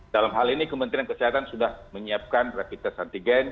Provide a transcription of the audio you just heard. dalam hal ini kementerian kesehatan sudah menyiapkan rapid test antigen